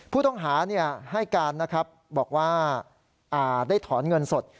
ผู้ต้องหาให้การนะครับบอกว่าได้ถอนเงินสด